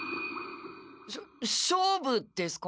しょ勝負ですか？